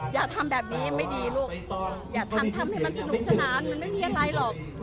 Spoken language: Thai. อย่าทำแบบนี้ไม่ดีลูกอย่าทำทำให้มันสนุกสนานมันไม่มีอะไรหรอก